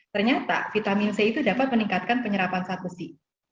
ternyata vitamin c itu dapat meningkatkan penyerapan saat besi